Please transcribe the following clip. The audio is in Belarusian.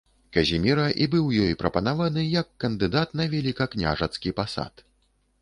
Казіміра і быў ёй прапанаваны як кандыдат на велікакняжацкі пасад.